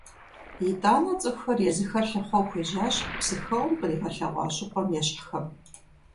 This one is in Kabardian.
ИтӀанэ цӀыхухэр езыхэр лъыхъуэу хуежьащ Псыхэуэм къригъэлъэгъуа щӀыпӀэм ещхьхэм.